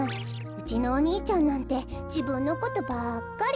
うちのお兄ちゃんなんてじぶんのことばっかり。